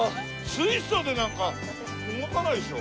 水素でなんか動かないでしょ。